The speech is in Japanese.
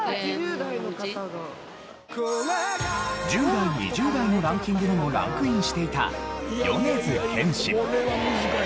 １０代２０代のランキングにもランクインしていた米津玄師。